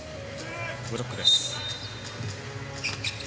ブロックです。